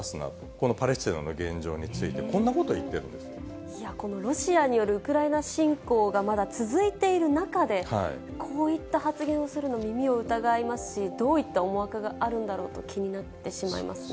このパレスチナの現状について、このロシアによるウクライナ侵攻がまだ続いている中で、こういった発言をするの、耳を疑いますし、どういった思惑があるんだろうと、気になってしまいますね。